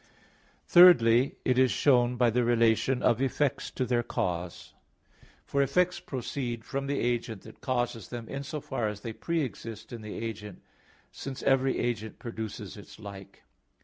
Thirdly, it is shown by the relation of effects to their cause. For effects proceed from the agent that causes them, in so far as they pre exist in the agent; since every agent produces its like.